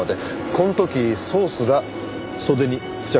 この時ソースが袖に付着した。